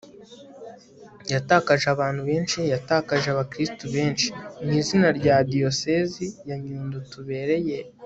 yatakaje abantu benshi, yatakaje abakristu benshi. mu izina rya diyosezi ya nyundo tubereye